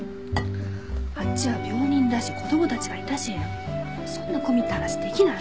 あっちは病人だし子供たちがいたしそんな込み入った話できない。